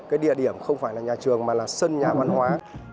cái địa điểm không phải là nhà trường mà là sân nhà văn hóa